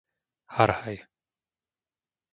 Harhaj